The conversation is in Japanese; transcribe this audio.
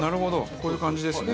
こういう感じですね。